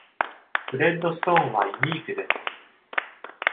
フレッド・ストーンはユニークです。